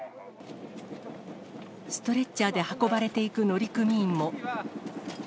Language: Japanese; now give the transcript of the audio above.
ストレッチャーで運ばれていく乗組員も。